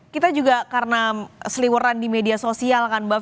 kita juga karena seliweran di media sosial kan bang